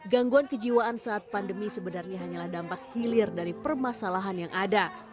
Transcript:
gangguan kejiwaan saat pandemi sebenarnya hanyalah dampak hilir dari permasalahan yang ada